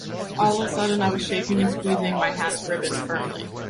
All of a sudden, I was shaking and squeezing my hat's ribbon firmly.